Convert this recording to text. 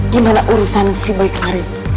gimana urusan si boy kemarin